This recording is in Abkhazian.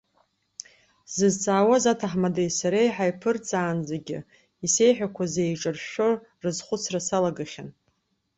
Сзызҵаауаз аҭаҳмадеи сареи ҳаиԥырҵаанӡагьы исеиҳәақәаз еиҿыршәшәо рызхәыцра салагахьан.